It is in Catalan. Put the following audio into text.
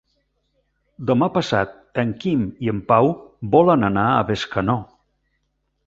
Demà passat en Quim i en Pau volen anar a Bescanó.